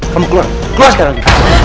kamu keluar keluar sekarang